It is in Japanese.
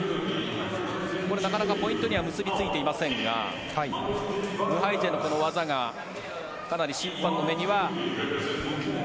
なかなかポイントには結びついていませんがムハイジェのこの技がかなり審判の目には。